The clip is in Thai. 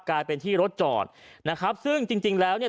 กลายเป็นที่รถจอดนะครับซึ่งจริงจริงแล้วเนี่ย